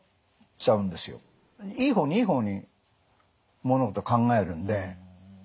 いい方にいい方に物事を考えるんで。